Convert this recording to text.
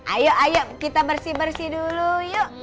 ayo ayo kita bersih bersih dulu yuk